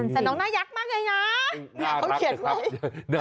แต่น้องน่ายักษ์มากเลยนะ